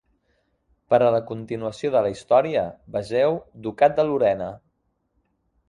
Per a la continuació de la història vegeu Ducat de Lorena.